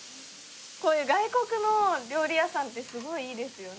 こういう外国の料理屋さんってすごいいいですよね。